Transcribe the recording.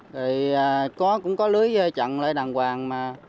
thì có cũng có lưới chặn lại đàng hoàng mà